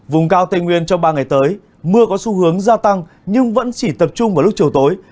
vùng cao tây nguyên trong ba ngày tới mưa có xu hướng gia tăng nhưng vẫn chỉ tập trung vào lúc chiều tối